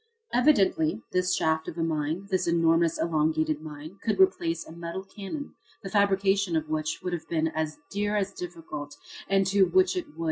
Evidently this shaft of a mine, this enormous elongated mine, could replace a metal cannon the fabrication of which would have been as dear as difficult and to which it would.